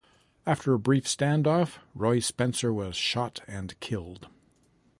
After a brief stand-off Roy Spencer was shot and killed.